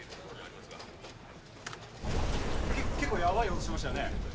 結構やばい音しましたよね。